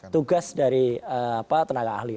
tugas dari tenaga ahli